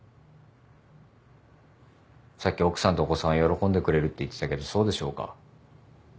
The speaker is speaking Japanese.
さっき奥さんとお子さんが喜んでくれるって言ってたけどそうでしょうか？